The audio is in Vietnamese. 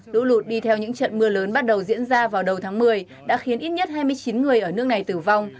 lũ lụt đi theo những trận mưa lớn bắt đầu diễn ra vào đầu tháng một mươi đã khiến ít nhất hai mươi chín người ở nước này tử vong